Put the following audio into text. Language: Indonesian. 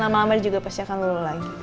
lama lama dia juga pasti akan luluh lagi